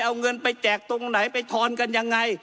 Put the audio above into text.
เอาเงินไปแจกตรงไหนไปทอนกันยังไง